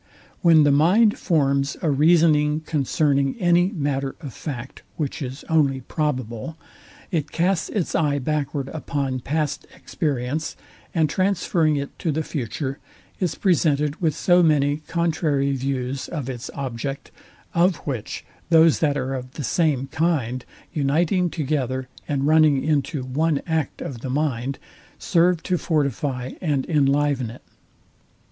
When the mind forms a reasoning concerning any matter of fact, which is only probable, it casts its eye backward upon past experience, and transferring it to the future, is presented with so many contrary views of its object, of which those that are of the same kind uniting together, and running into one act of the mind, serve to fortify and inliven it.